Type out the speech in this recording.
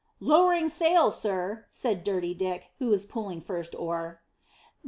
"Lowering sail, sir," said Dirty Dick, who was pulling first oar.